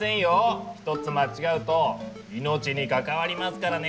ひとつ間違うと命に関わりますからね！